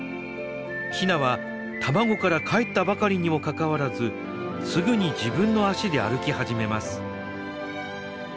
ヒナは卵からかえったばかりにもかかわらずすぐに自分の足で歩き始めます。